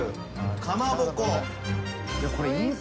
かまぼこ。